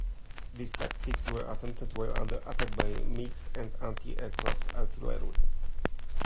These tactics were attempted while under attack by MiGs and anti-aircraft artillery.